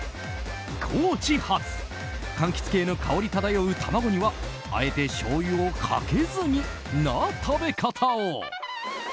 高知発、柑橘系の香り漂う卵にはあえてしょうゆをかけずにな食べ方を。